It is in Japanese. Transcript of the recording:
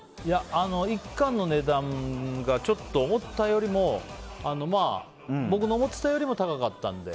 １貫の値段がちょっと思ったよりも僕の思ってたよりも高かったので。